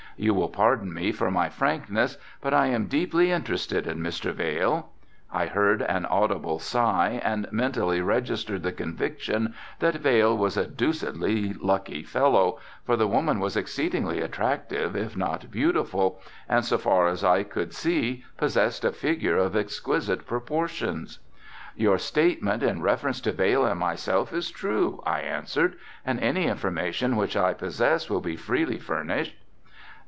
You will pardon me for my frankness but I am deeply interested in Mr. Vail." I heard an audible sigh and mentally registered the conviction that Vail was a deuced lucky fellow, for the woman was exceedingly attractive if not beautiful, and so far as I could see possessed a figure of exquisite proportions. "Your statement in reference to Vail and myself is true," I answered, "and any information which I possess will be freely furnished."